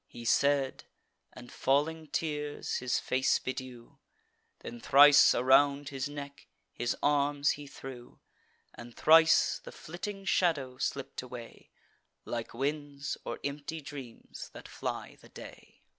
He said; and falling tears his face bedew: Then thrice around his neck his arms he threw; And thrice the flitting shadow slipp'd away, Like winds, or empty dreams that fly the day.